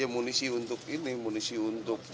ya munisi untuk ini munisi untuk